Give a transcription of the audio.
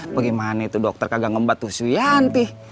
apa gimana itu dokter kagak ngembat tuh si wianti